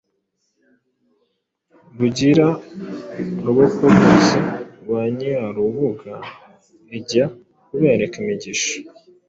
Rugira rwo ku ruzi rwa Nyirarubuga Ijya kubereka imigisha.